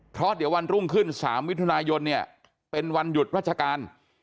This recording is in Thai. เพราะเดี๋ยววันรุ่งขึ้น๓มิถุนายนเนี่ยเป็นวันหยุดราชการ